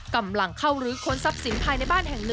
กำลังเข้ารื้อค้นทรัพย์สินภายในบ้านแห่ง๑